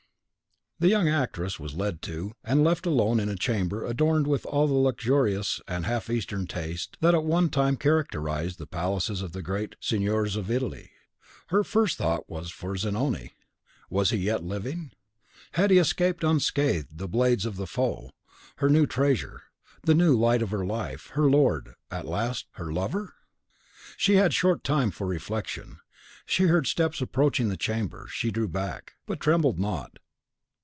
The young actress was led to, and left alone in a chamber adorned with all the luxurious and half Eastern taste that at one time characterised the palaces of the great seigneurs of Italy. Her first thought was for Zanoni. Was he yet living? Had he escaped unscathed the blades of the foe, her new treasure, the new light of her life, her lord, at last her lover? She had short time for reflection. She heard steps approaching the chamber; she drew back, but trembled not.